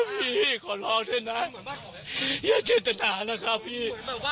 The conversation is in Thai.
พี่ขอร้องเถอะนะอย่าเจ็ดตนานะคะพี่